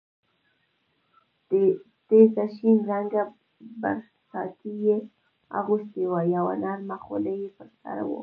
تېزه شین رنګه برساتۍ یې اغوستې وه، یوه نرمه خولۍ یې پر سر وه.